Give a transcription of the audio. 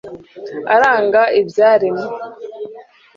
aranga ibyaremwe